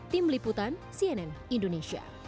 tim liputan cnn indonesia